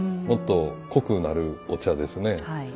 もっと濃くなるお茶ですね。